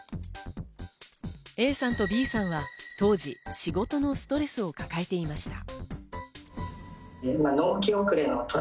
ＡさんとＢさんは当時、仕事のストレスを抱えていました。